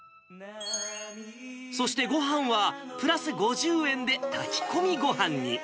そしてごはんは、プラス５０円で、炊き込みごはんに。